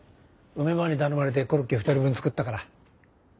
梅ばあに頼まれてコロッケ２人分作ったから。